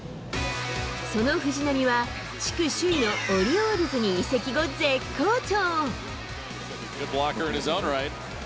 その藤浪は、地区首位のオリオールズに移籍後、絶好調。